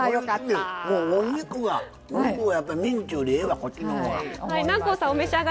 お肉が、やっぱりミンチよりええわこっちのほうが。